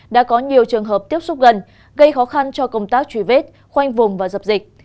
đã có nhiều trường hợp tiếp xúc gần gây khó khăn cho công tác truy vết khoanh vùng và dập dịch